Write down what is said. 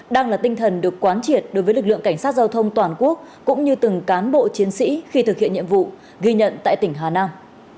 đang là tinh thần được quán triệt đối với lực lượng cảnh sát giao thông toàn quốc cũng như từng cán bộ chiến sĩ khi thực hiện nhiệm vụ ghi nhận tại tỉnh hà nam